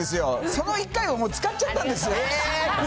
その１回をもう使っちゃったんですよ。